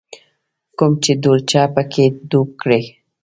کوم چې ډولچه په کې ډوب کړې.